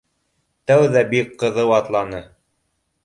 Тәүҙә бик ҡыҙыу атланы